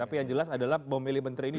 tapi yang jelas adalah memilih menteri ini